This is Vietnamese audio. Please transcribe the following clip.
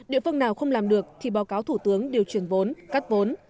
địa phương nào không làm được thì báo cáo thủ tướng điều chuyển vốn cắt vốn